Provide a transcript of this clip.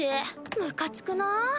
ムカつくなぁ。